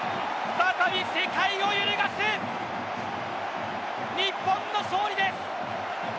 再び世界を揺るがす日本の勝利です！